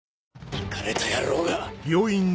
イカれた野郎が！